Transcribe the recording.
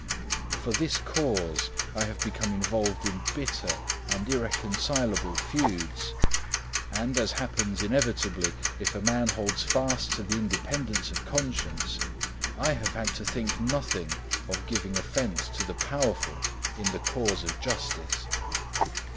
For this cause I have become involved in bitter and irreconcilable feuds, and, as happens inevitably, if a man holds fast to the independence of conscience, I have had to think nothing of giving offence to the powerful in the cause of justice.